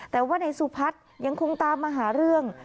แต่ว่านายสุพัฒน์ยังคงตามมาหาเรื่อง